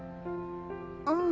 うん。